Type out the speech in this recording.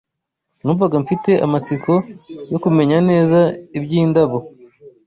Numvaga mfite amatsiko yo kumenya neza iby’indabo